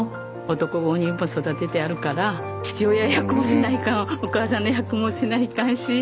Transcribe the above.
男５人をやっぱり育ててあるから父親役もせないかんわお母さんの役もせないかんし。